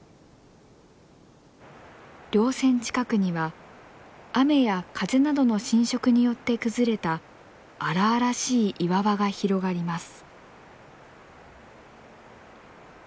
稜線近くには雨や風などの浸食によって崩れた荒々しい岩場が広がります。